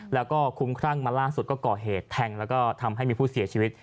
แล้วก็คุ้มครั่งมาล่าสุดก็ก่อเหตุแทงแล้วก็ทำให้มีผู้เสียชีวิต